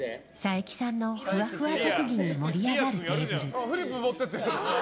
佐伯さんのふわふわ特技に盛り上がるテーブル。